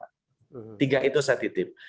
yang ketiga vaksinasi dipersepat tiga itu saya titip